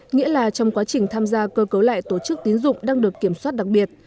nghĩa là trong quá trình tham gia cơ cấu lại tổ chức tín dụng đang được kiểm soát đặc biệt